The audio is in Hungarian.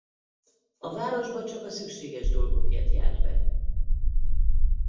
A városba csak szükséges dolgokért járt be.